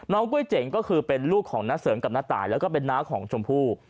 กล้วยเจ๋งก็คือเป็นลูกของน้าเสริมกับน้าตายแล้วก็เป็นน้าของชมพู่